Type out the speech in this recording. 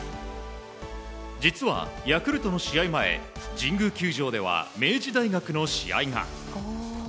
実は、ヤクルトの試合前神宮球場では明治大学の試合が。